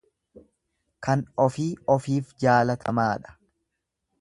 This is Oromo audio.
Kan ofii ofiif jaalatamaadha.